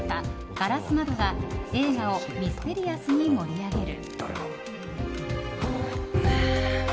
「硝子窓」が映画をミステリアスに盛り上げる。